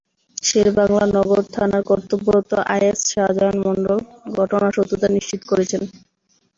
শেরেবাংলা নগর থানার কর্তব্যরত এসআই শাহজাহান মণ্ডল ঘটনার সত্যতা নিশ্চিত করেছেন।